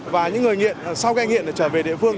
và những người sau gai nghiện trở về địa phương